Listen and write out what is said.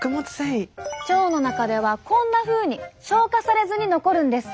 腸の中ではこんなふうに消化されずに残るんです。